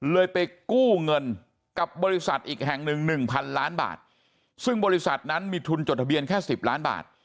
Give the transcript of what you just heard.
ไปกู้เงินกับบริษัทอีกแห่งหนึ่งหนึ่งพันล้านบาทซึ่งบริษัทนั้นมีทุนจดทะเบียนแค่สิบล้านบาท